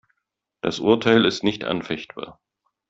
Das Urteil ist nicht anfechtbar.